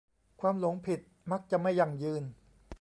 ความหลงผิดมักจะไม่ยั่งยืน